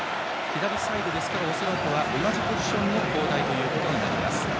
左サイドですから恐らくは同じポジションの交代となります。